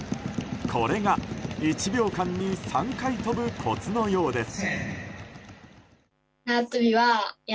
これが１秒間に３回跳ぶコツのようです。